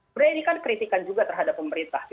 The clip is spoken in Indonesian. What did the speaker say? berani kan kritikan juga terhadap pemerintah